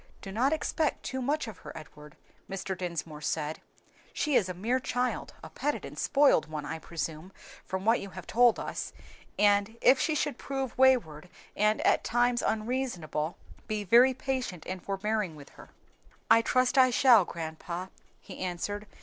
"Do not expect too much of her, Edward," Mr. Dinsmore said. "She is a mere child, a petted and spoiled one, I presume, from what you have told us, and if she should prove wayward and at times unreasonable, be very patient and forbearing with her." "I trust I shall, grandpa," he answered.